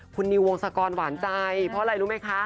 คุณนิววงศกรหวานใจเพราะอะไรรู้ไหมคะ